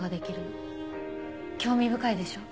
興味深いでしょ。